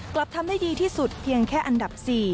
กลับทำได้ดีที่สุดเพียงแค่อันดับ๔